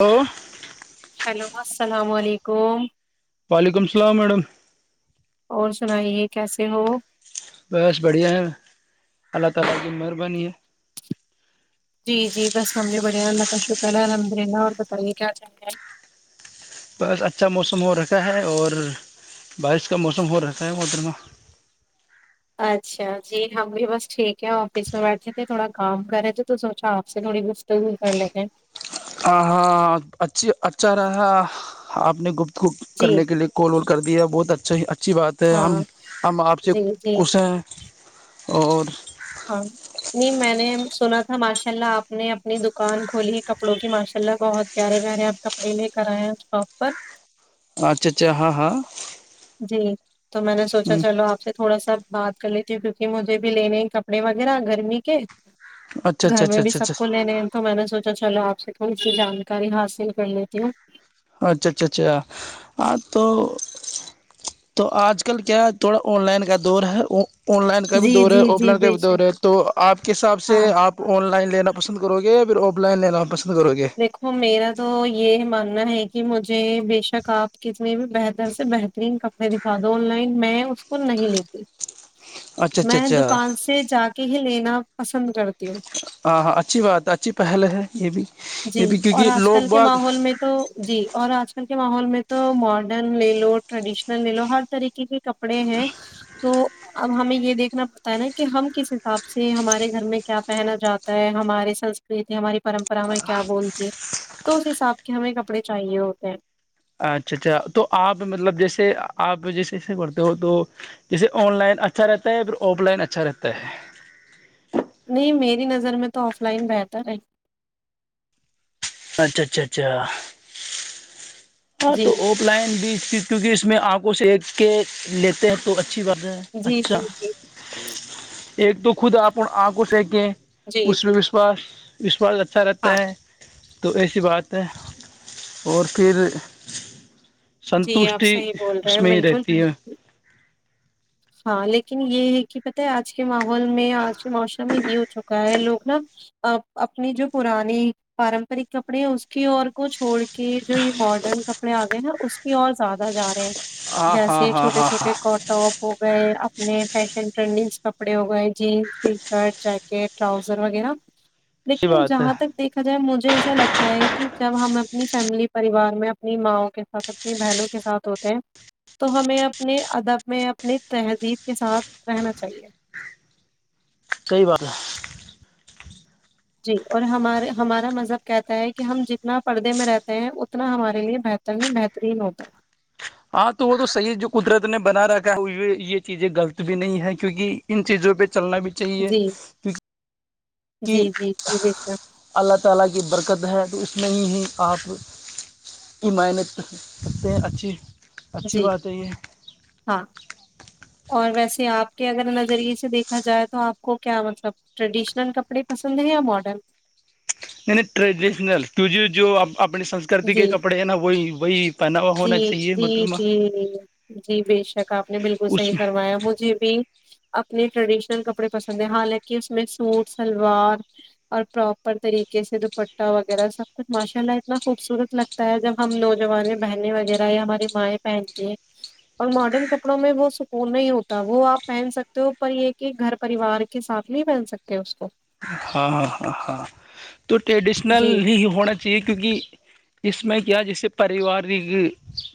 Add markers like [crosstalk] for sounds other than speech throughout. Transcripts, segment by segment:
او [unintelligible] hello السلام علیکم وعلیکم السلام میڈم اور سنائیے کیسے ہو بس بڈھیا ہے اللہ تال کی مہربانی ہے۔ جی جی بس ہم بھیے بڑھیا اللہ کا شکر ہے الحمد للہ اور بتائیے کیا چاہے ہیں بس اچھا موسم ہو رہکھا ہے اور بارش کا موسم ہو رہا ہے مترمہ اچھا جی ہم بھی بس ٹھیک ہے آفس میں بیٹھے تھے تھوڑا کام کرے تھے تو سوچا آپ سے تھوڑی گفتگو کر لیتے ہیں ہ ہاں اچھی اچھا رہا آپ نے گپ کو جی کرنے کے لئے کال اور کر دیا بہت اچھا اچھی بات ہے ہم ہاں ہم آپ سے جی جی کش ہیں اور اں ماشاء اللہ آپ نے اپنی دکان کھولی ہے کپڑوں کی ماشاء اللہ بہت پیارے پیارے آپ کپڑے لے کر آئے ہیں اس شاپ پر اچھا اچھا ہاں ہاں جی تو میں نے سوچا چلو آپ سے تھوڑا سا بات کر لیتی ہوں کیونکہ مجھے بھی لینے کپڑے وغیرہ گرمی کے اچھا اچھا گھر میں اچھا بھی اچھا اچھا سب کو لینے ہیں تو میں نے سوچا چلو آپ تھوڑی سی جانکاری حاصل کر لیتی ہوں اچھا اچھا اچھا ہاں تو تو آج کل کیا تھوڑا آن لائن کا دور ہے آن لائن کا بھی جی دور ہے جی آف جی لائن کا بے بھی دور شک ہے تو آپ کے حساب سے ہاں آپ آن لائن لینا پسند کرو گے پھر آف لائن لینا پسند کرو گے دیکھو میرا تو یہ ماننا ہے کہ مجھے بےشک آپ کتنے بھی بہتر سے بہترین کپڑے دکھا دو آن لائن میں اس کو نہیں لیتی اچھا اچھا میں اچھا دکان سے جا کے ہی لینا پسند کرتے ہاں ہاں اچھی بات اچھی پہل ہے یہ بھی جی یہ بھی اور کیونکہ آج لوگ کل کے باگ ماحول میں تو جی اور آج آج کل کے ماحول میں تو ماڈرن لے لو ٹریڈیشنل لے لو ہر طریقے کے کپڑے ہیں تو اب ہمیں یہ دیکھنا پڑتا ہے نا کہ ہم کس حساب سے ہمارے گھر میں کیا پہنا جاتا ہے ہمارے سنسکرتی ہماری پرمپرا میں کیا بولتی ہے تو اس حساب کے ہمیں کپڑے چاہیے ہوتے ہیں اچھا اچھا تو آپ مطلب جیسے آپ جیسے ایسے کرتے ہو تو جیسے آن لائن اچھا رہتا ہے پھر آف لائن اچھا رہتا ہے نہیں میری نظر میں تو آف لائن بہتر ہے اچھا اچھا اچھا ہاں جی تو آف لائن بھی کیونکہ اس میں آنکھوں سے کے لیتے ہیں تو اچا اچھی بات ہے جی جی اچھا جی ایک تو خود اپ آنکوش ہے کہ جی اس میں جی وشواس اسساال اچھا ہاں رہتا ہے تو ایسی بات ہے اور پھر جی آپ سنتوشٹی صحیح بول رہے اس ہیں میں بالکل رہتی ہے ہاں لیکن یہ ہے کہ پت ہے آج کے ماحول میں آج کے معاشرے میں یہ ہو چکا ہے لوگ نا اپنی جو پرانی پارمپرک کپڑے ہیں اس کی اور کو چھوڑ کے جو یہ ماڈرن کپڑے آ گئے ہیںا اس کی اور زیادہ جا رہے ہیں ہاں ہاں جیسے ہاں چھوٹے ہاں چھوٹے ہاں کٹاپ اپنے فیشن ٹرینڈنگ کپڑے ہو گئے jeans T shirt jacket trouser وغیرہ صحیح لیکن بات ہے جہاں تک دیکھا جائے مج مجھے ایسا لگتا ہے کہ جب ہم اپنی فیملی پریوار میں اپنی ماںؤ کے ساتھ اپنی بہنوں کے ساتھ ہوتے ہیں تو ہمیں اپنے ادب میں اپنی تہذیب کے ساتھ رہنا چاہیے کئی بار جی اور ہمارے ہمارا مذہب کہتا ہے کہ ہم جتنا پردے میں رہتے ہیں اتنا ہمارے لیے بہتر نہیں بہترین ہوتا ہاں تو وہ تو صیح جو قدرت نے بنا رکھا ہے یہ چیزیں غلط بھی نہیں ہے کیونکہ ان چیزوں پہ چلنا بھی چاہیے جی کہ جی جی جی بے شک اللہ تعالی کی برکت ہے تو اس میں ہی ہی آپ ایمانت کرتے ہیں اچھی اچھی جی بات ہے یہ ہاں اور ویسے آپ کے اگر نظریے سے دیکھا جائے تو آپ کو کیا مطلب ٹریڈیشنل کپڑے پسند ہیں یا ماڈرن نی ٹریڈیشنل جو اپنی سنسکرتی جی کے کپڑے ہیں نا وہی وہی پہناوا جی ہونا چاہیے جی مطلب جی جی بے شک آپ نے بالکل اس صحیح میں فرمایا مجھے بھی اپنے ٹریڈیشنل کپڑے پسند ہیں حالانکہ اس میں سوٹ سلوار اور پراپر طریقے سے دوپٹہ وغیرہ سب کچھ ماشاء ال اتنا خوبصورت لگتا ہے جب ہم نوجوان بہنیں وغیرہ یا ہماری مائیں پہنتی ہیں اور ماڈرن کپڑوں میں وہ سکون نہیں ہوتا وہ آپ پہن سکتے ہووپ پر یہ کہ گھر پریوار کے ساتھ نہیں پہن سکتے اس کو ہاں ہاں ہاں ہاں تو ٹریڈیشنل جی ہی ہونا چاہیے کیونکہ اس میں کیا جیسے پارریوارک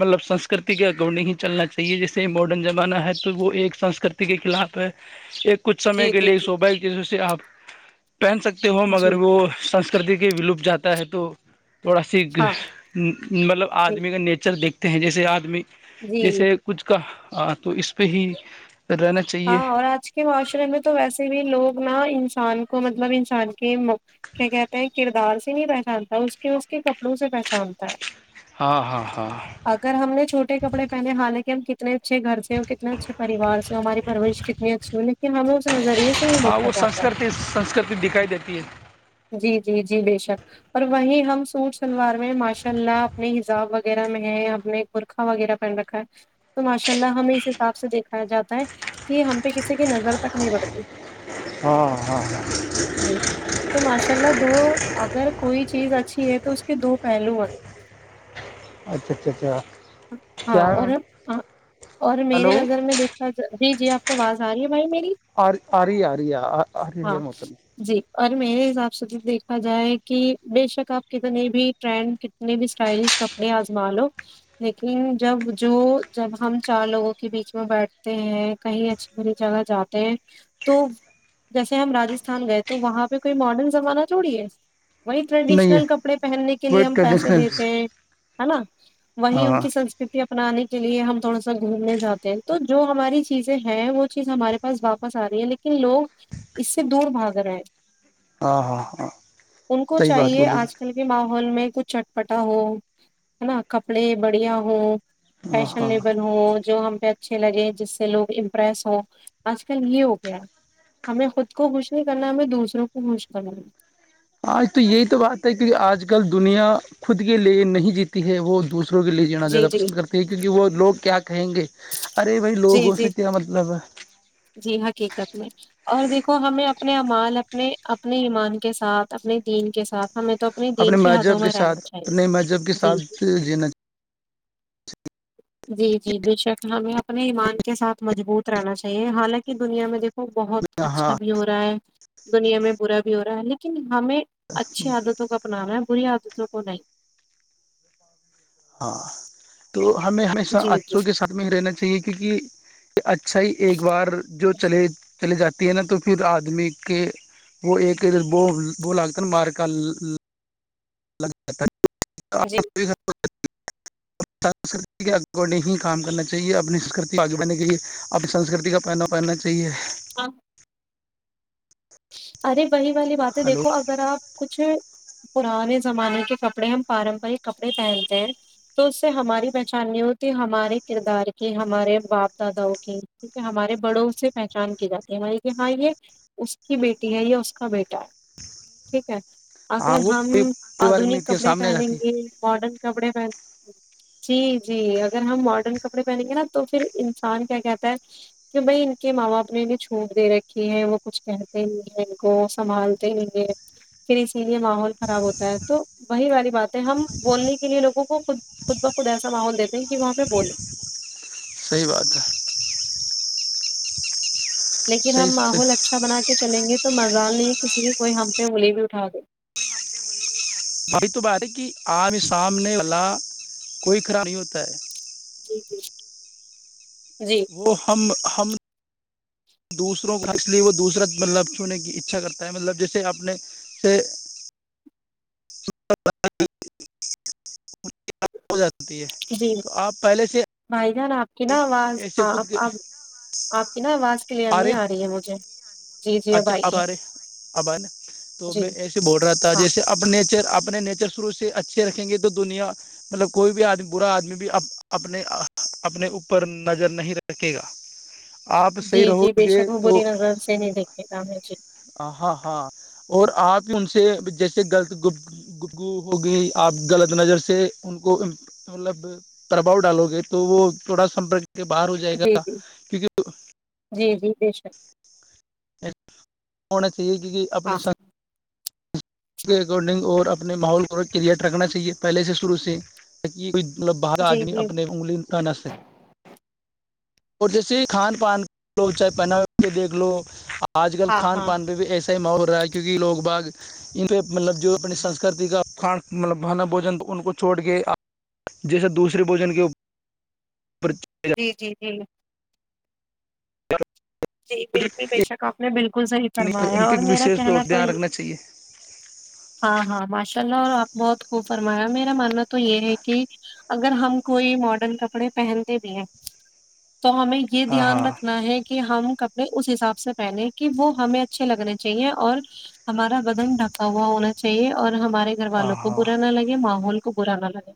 مطلب سنسکرتی کے اکارڈنگ ہی چلنا چاہیے جیسے ماڈرن زمانہ ہے تو وہ ایک سنسکرتی کے خلاف ہے ایک کچھ سمے جی کے جی لیے جی صوبائی کی سے آپ پہن سکتے ہو مگر جی وہ سنسکرتی کے ولوپ جاتے تا ہے تو تھوڑا سی ہاں مطلب جی آدمی کا نیچر دیکھ ہیں جیسے آدمی جی جیسے کچھ کا تو اس پہ ہی رہنا چاہیے ہاں اور آج کے معاشرے میں تو ویسے بھی لوگ نا ان انسان کو مطلب انسان کے کیا کہتے ہیں کردار سے نہیں پہچانتا اس کے اس کے کپڑوں سے پہچانتا ہے ہاں ہاں ہاں اگر ہم نے چھوٹے کپڑے پہنے حالانکہ ہم کتنے کتنے اچھے گر سے اور کتنے اچھے پوار سے ہو ہمارے پرروش کتنی اچھی ہو لیکن ہم لو اس نظریے سے نہیں ہاں دیکھا وہ جاتا سنسکرتی سنسکرتی دکھائی دتی ہے جی جی جی بےشک اور وہی ہم سوٹ شلوار میں ماشاء اللہ اپنے حزاب وغیرہ میں ہے اپنے پورکھا وغیرہ پہن رکھا ہے تو ماشاء اللہ ہمیں اس حساب سے دیکھایا جاتا ہے کہ ہم پہ کسی کی نظر تک نہیں پڑتی ہاں ہاں ہاں چلا دو اگر کوئی چیز اچھی ہے تو اس کے دو پہلو ہیں اچھا اچھا اچھا ہاں کیا اور اور ہلو میرے نظر میں دیکھا جائے دیجیے آپ کو آواز آ رہی ہے بھائی میری آ ا رہیا ا رہ ا رہ ہاں ہے متب جی اور میرے حساب سے جب دیکھا جائے کہ بےشک آپ کتنی بھی ٹرینڈ کتنے بھی اسٹائلش کپڑے آزما لو لیکن جب جو جب ہم چار لوگوں کے بیچ میں بیٹھتے ہیں کہیں اچھی بری جگہ جاتے ہیں تو جیسے ہم راجستھان گئے تو وہاں پہ کوئی ماڈرن زمانہ چوڑیے وہی نہیں ہے ٹریڈیشنل کپڑے پہننے کے لیے ویٹ ہم کا پیسے دیتے ڈسٹینس ہیں ہے نا وہیں ہاں ان کی سنسکرتی اپنانے کے لیے ہم تھوڑا سا گھومنے جاتے ہیں تو جو ہماری چیزیں ہیں وہ چیز ہمارے پاس واپس آ رہی ہے لیکن لوگ اس سے دور بھاگ رہے ہیں ہاں ہاں ہاں ان کو صحیح بات چاہیے بولی آج کل کے ماحول میں کچ چٹپٹا ہو ہے نا کپڑے بڑھیا ہو ہاں ہاں فیشنیبل ہو جو ہم پہ اچھے لگے ہیں جس سے لوگ امپریس ہو آج کل یہ ہو گیا ہمیں خود کو خوش نہیں کرنا ہمیں دوسروں کو خوش کرنا آج تو یہی تو بات ہے کیکہ آج کل دنیا خود کے لیے نہیں جیتی ہے وہ دوس کے لیے جینا جی زیادہ جی پسند کرتے ہیں کیونکہ وہ لوگ کیا کہیں گے ارے بھائی جی لوگوں جی سے کیا مطلب ہے جی حقیقت میں اور دیکھو ہمیں اپنے امال اپنے اپنے ایمان کے ساتھ اپنے دین کے ساتھ ہمیں تو اپنے دین کی حدوں مذہب کے میں رہنا ساتھ چاہیے اپنے مذہب کے ساتھ جی جینا چاہ جی جی بے شکص ہمیں اپنے ایمان کے ساتھ مجبوت رہنا چاہیے حالانکہ دنیا میں دیک وہ بہت چاہیے اچھا ہاں بھی ہو رہا ہے دنیا میں برا بھی ہو رہا ہے لیکن ہمیں اچھی عادتوں کو اپنانا ہے پوری عادتوں کو نہیں ہاں تو ہمیں ہمیشہ جی جی اچوں کے سات میں ہی رہنا چاہیے کیونکہ اچھا ہی ایک بار جو چلے چلی جاتی ہے نا تو پھر آدمی کے وہ ایک اھر ب وہ لگتا نا مار کا الگ جی [unintelligible] [inaudible] [inaudible] [unintelligible] کو نہیں کام کرنا چاہیے اپنی سنسکرتی کا فائدہ پہننا چاہیے [unintelligible] ہاں [inaudible] ارے [inaudible] وہی والی بات ہے ہلو دیکھو اگر آپ کچھ [inaudible] پرانے زمانے کے کپڑے ہم پارمپرک کپڑے پہنتے ہیں تو اس سے ہماری پہچان نہیں ہوتی ہمارے کردار کی ہمارے باپ داداؤ کی کیک ہمارے بڑوں سے پہچان کی جاتی ہے ہاں یہ کی بیٹی ہے یا اس کا بیٹا ہے ٹھیک ہے ہاں اگر وہ ہم پریوارک آدنک نیتیاں کپڑے سامنے آ پہنیں جاتی گے ہے ماڈرن کپڑے پہن جی جی اگر ہم ماڈرن کپڑے پہنیں گے نا تو پھر انسان کیا کہتا ہے کہ بھائی ان کے ماں باپ نے انہیں چھوٹ دے رکھی ہے وہ کچھ کہ کو سنبھالتے ہیںے پھر اسی لیے ماحول خراب ہوتا ہے تو وہی والی بات ہے ہم بولنے کے لیے لوگوں کو خود خود بخود ایسا ماحول دیتے ہیں کہ وہاں پہ بولیں صحیح بات ہے لیکن صحیح ہم سے ماحول اچھا بنا کے چلیں گے تو مزال نہیں ہے کسی کی کوئی ہم پہ انلی بھی اٹھا دے اھی تو بات ہے کہ آام سامنے والا کوئی خراب نہیں ہوتا ہے جی جی وہ ہم ہم دوسروں کو اس لیے وہ دوسرا مطلب چھونے کی اچھا کرتا ہے مطلب جیسے اپنے سے [unintelligible] ہو جاتاتی ہے جی تو آپ پہلے سے بھائی جان آپ کی [unintelligible] نا آواز ہاں آپ آپ آپ کی نا آواز کلیئر نہیں آ رہی ہے مجھے جی جی اب آئی ہے جی ہاں اپنے نیچر شروع سے اچھے رکھیں گے تو دنیا مطلب کوئی بھی آدمی برا آدمی بھی اپنے اپنے اوپر نظر نہیں رکھے گا آپ جی صحیح رہو جی بے گے شک وہ تو بری نظر سے نہیں دیکھے گا ہمیں جی ہاں ہاں اور آپ ان سے جیسے غلط گفگو ہوگی آپ غلط نظر سے ان کو مطلب پرباؤ ڈالو گے تو وہ تھوڑامرک باہر ہو جائے جی گا جی کیونکہ جی جی بے شک ہون یہی ہے کیونکہ اپنے ہاں س کے اکارڈنگ اور اپنے ماحول کو کیلیئٹ رکھنا چاہیے پہلے سے شروع سے ت یہ مطلب باہر جی آدمی جی اپنے انگلی تناس اور جیسے کھان پان لو چاہے پہناو کے دیکھ لو آج کل ہاں کھان ہاں پان پ بھی ایسے م ہو رہا ہے کیونکہ لوگ باغ ان پہ مطلب جو اپنی سنسکرتی کا کان مطلب بناا بوجن ان کو چھوڑ کے جیسے دوسرے بوجن کے جی جی جی جی بالکل بے شک آپ نے بالکل صحیح فرمایا ان پہ اور بھی میرا وشیش طور کہنا تو دھیان یہ رکھنا چاہیے ہاں ہاں ماشا لہ اور آپ بہت خوب فرمایا میرا ماننا تو یہ ہے کہ اگر ہم کوئی ماڈرن کپڑے پہنتے بھی ہیں تو ہمیں یہ ہاں دھیان ہاں رکھنا ہے کہ ہم کپڑے اس حساب سے پہنے کہ وہ ہمیں اچھے لگنے چاہیے اور ہمارا بدن ڈھکا ہوا ہونا چاہیے اور ہمارا گھر ہاں والوں کو ہاں برا نہ لگے ماحول کب رہانا لگ گے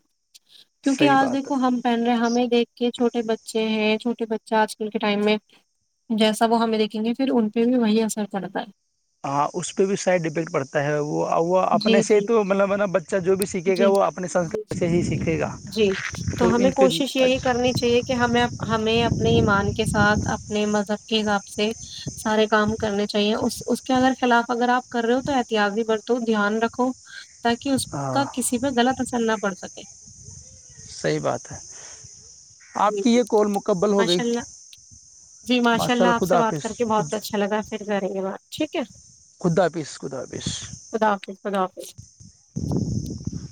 کیونکہ صحیح آج بات ہے دیکھو ہم پہن رہے ہیں ہم ایک دیک کے چھوٹے بچے ہیں چھوٹے بچہ آج کل کے ٹائم میں جیسا وہ ہمیں دیکھیں گے پھر ان پہ بھی وہی اثر پڑتا ہے ہاں اس پہ بھی سائڈ افیکٹ پڑتا ہے وہ وہ اپنے جی سے جی تو مطلب بچہ جو بھی سیکھے گا جی وہ اپنے جی سنسکار سے ہی سیکھے گا جی تو ہمیں ان پہ کوشش یہی کرنی چاہیے کہ ہمیں ہمیں اپنے ایمان کے ساتھ اپنے مذب کے حساب سے سارے کام کرنے چاہیے اس اس کے اگر خلاف اگر آپ کر رہے ہو تو احتیاطی برتو دھیان رکھو تاکہ اس ہاں کا کسی پ غلطر نہ پڑ سک صحیح بات ہے آپ جی کی جی یہ کال مکبل ہو گئی با چللہ آپ سے بات کر کے بہت اچھا لگا پھر کریں گے بات ٹھیک ہے خدا حافظ خدا حافظ خدا حافظ خدا حافظ [inaudible] [inaudible]